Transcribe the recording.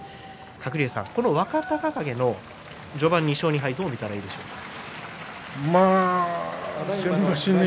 鶴竜さん、この若隆景の序盤２勝２敗どう見たらいいでしょうか。